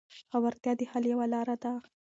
خبرتیا د حل یوه لار ده.